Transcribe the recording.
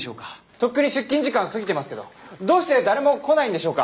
とっくに出勤時間過ぎてますけどどうして誰も来ないんでしょうか？